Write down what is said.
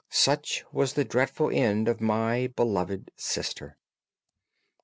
Such was the dreadful end of my beloved sister."